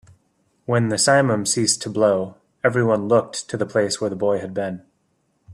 When the simum ceased to blow, everyone looked to the place where the boy had been.